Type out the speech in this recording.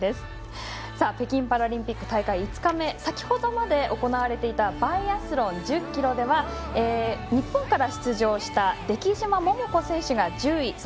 北京パラリンピック大会５日目、先ほどまで行われていたバイアスロン１０ｋｍでは日本から出場した出来島桃子選手が１０位。